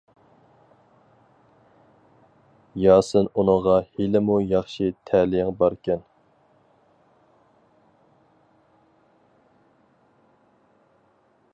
ياسىن ئۇنىڭغا ھېلىمۇ ياخشى تەلىيىڭ باركەن.